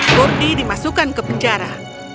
kurdi dimasukkan ke penjara